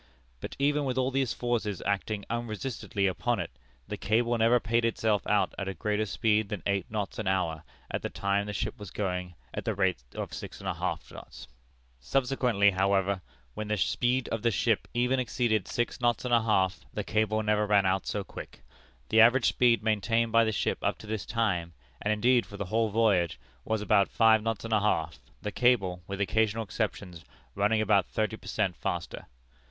But even with all these forces acting unresistedly upon it, the cable never paid itself out at a greater speed than eight knots an hour at the time the ship was going at the rate of six knots and a half. Subsequently, however, when the speed of the ship even exceeded six knots and a half, the cable never ran out so quick. The average speed maintained by the ship up to this time, and, indeed, for the whole voyage, was about five knots and a half, the cable, with occasional exceptions, running about thirty per cent faster.